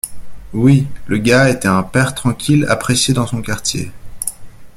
Oui. Le gars était un père tranquille, apprécié dans son quartier